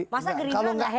masa gerindra enggak he